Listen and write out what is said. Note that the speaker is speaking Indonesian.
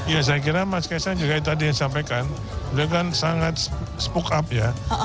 ya saya kira mas kaisang juga tadi yang sampaikan beliau kan sangat spock up ya